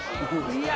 いや。